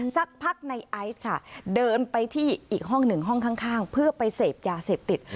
สักพักในไอซ์ค่ะเดินไปที่อีกห้องหนึ่งห้องข้างเพื่อไปเสพยาเสพติด